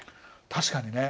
確かにね。